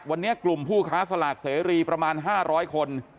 วันนี้กลุ่มผู้ค้าสลากเสรีประมาณ๕๐๐คน